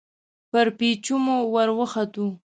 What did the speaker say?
پر پېچومو ور وختو.